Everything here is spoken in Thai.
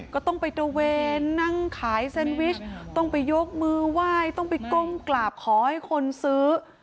ก็ต้องไปตระเวนนั่งขายแซนวิชต้องไปยกมือไหว้ต้องไปก้มกราบขอให้คนซื้อ